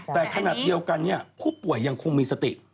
แต่ขนาดเดียวกันผู้ป่วยยังคงมีสติ